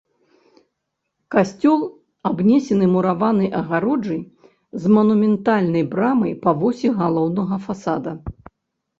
Касцёл абнесены мураванай агароджай з манументальнай брамай па восі галоўнага фасада.